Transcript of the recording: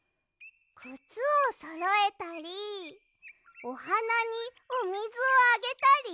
くつをそろえたりおはなにおみずをあげたり？